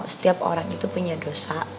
setiap orang itu punya dosa